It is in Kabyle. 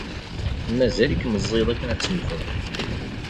Mazal-ik meẓẓiyeḍ akken ad temmteḍ.